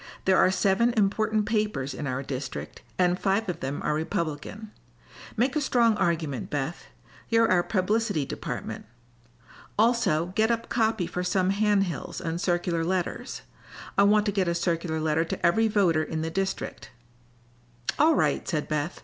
There are seven important papers in our district, and five of them are Republican. Make a strong argument, Beth. You're our publicity department. Also get up copy for some hand hills and circular letters. I want to get a circular letter to every voter in the district." "All right," said Beth.